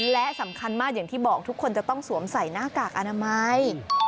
และสำคัญมากอย่างที่บอกทุกคนจะต้องสวมใส่หน้ากากอนามัย